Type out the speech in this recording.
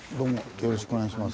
よろしくお願いします。